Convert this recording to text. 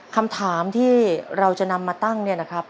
คำถามที่เราจะนำมาตั้งเนี่ยนะครับ